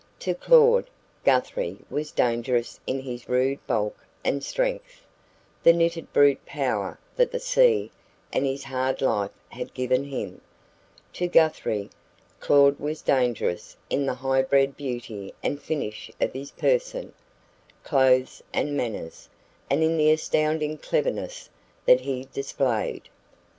To Claud, Guthrie was dangerous in his rude bulk and strength, the knitted brute power that the sea and his hard life had given him; to Guthrie, Claud was dangerous in the highbred beauty and finish of his person, clothes and manners, and in the astounding "cleverness" that he displayed.